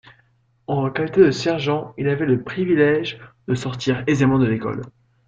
En qualité de sergent il avait le privilège de sortir aisément de l'école.